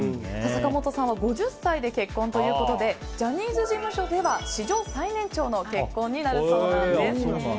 坂本さんは５０歳で結婚ということでジャニーズ事務所では史上最年長の結婚になるそうなんです。